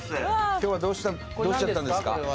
今日はどうしちゃったんですか？